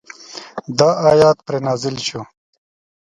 دا آیت پرې نازل شو.